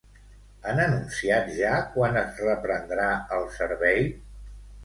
Han anunciat ja quan es reprendrà el servei?